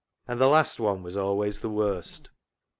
And the last one was always the worst.